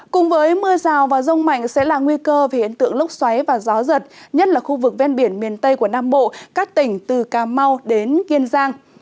cùng với mưa rào và rông mạnh sẽ là nguy cơ về hiện tượng lốc xoáy và gió giật nhất là khu vực ven biển miền tây của nam bộ các tỉnh từ cà mau đến kiên giang